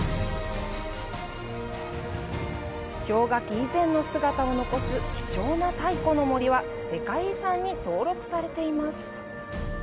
氷河期以前の姿を残す貴重な太古の森は世界遺産に登録されています。